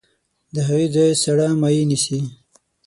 د هغې ځای سړه مایع نیسي.